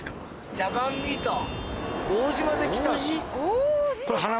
ジャパンミート王子まで来た。